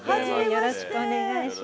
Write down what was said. よろしくお願いします。